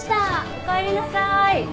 おかえりなさい。